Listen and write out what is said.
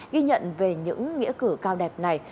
ghi nhận về những nghĩa cử cao đẹp này